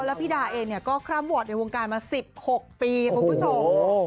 แล้วพี่ดาเองเนี่ยก็คร่ำวอร์ดในวงการมา๑๖ปีคุณผู้ชม